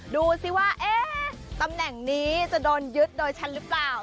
ดูสิว่าตำแหน่งนี้จะโดนยึดโดยฉันหรือเปล่า